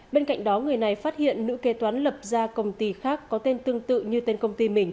bên cạnh đó người này phát hiện nữ kế toán lập ra công ty khác có tên tương tự như tên công ty mình